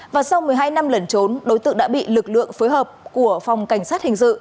và sau một mươi hai năm lẩn trốn đối tượng đã bị lực lượng phối hợp của phòng cảnh sát hình dự